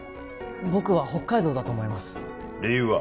僕は北海道だと思います理由は？